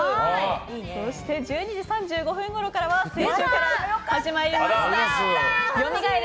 そして、１２時３５分ごろからは先週から始まりました甦れ！